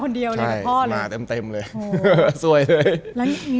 พี่เริ่มมาเป็นอย่างงี้พ่อเป็นอย่างงี้พ่อเป็นอย่างงี้